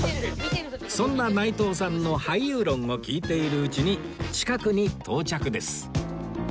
そんな内藤さんの俳優論を聞いているうちに近くに到着です